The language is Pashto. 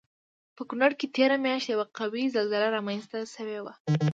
په کنړ کې تېره میاشت یوه قوي زلزله رامنځته شوی وه